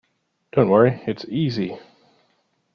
Don’t worry, it’s easy.